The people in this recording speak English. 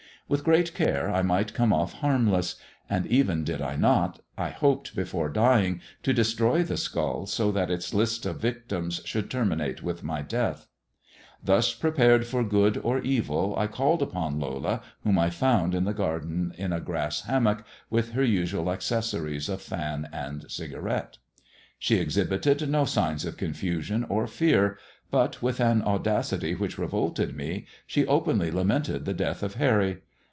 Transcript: With great care I might come off harmless; and, even did I not, I hoped before dying to destroy the skull, so that its list of victims should terminate with my death. Thus prepared for good or evil, I called upon Lola, whom I found in the garden in a grass hammock, with her usual accessories of fan and cigarette. She exhibited no signs of confusion or fear, but, with an audacity which revolted me, she openly lamented the death of Harry.